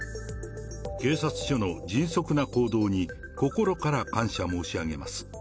警察署の迅速な行動に、心から感謝申し上げます。